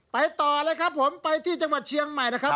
ต่อเลยครับผมไปที่จังหวัดเชียงใหม่นะครับ